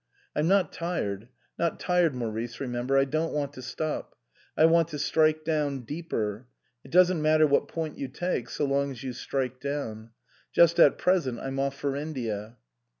I'm not tired not tired, Maurice, remember. I don't want to stop. I want to strike down deeper. It doesn't matter what point you take, so long as you strike down. Just at present I'm off for India."